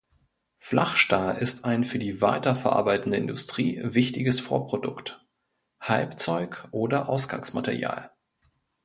Flachstahl ist ein für die weiterverarbeitende Industrie wichtiges Vorprodukt, Halbzeug oder Ausgangsmaterial.